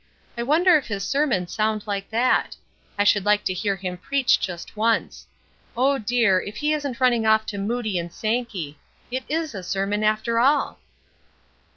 "I wonder if his sermons sound like that? I should like to hear him preach just once. Oh, dear! if he isn't running off to Moody and Sankey. It is a sermon after all!"